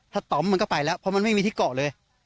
ถ้าต่อมมันก็ไปแล้วเพราะมันไม่มีที่เกาะเลย